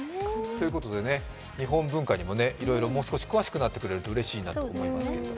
日本文化にもいろいろもう少し詳しくなってくれるとうれしいなと思います。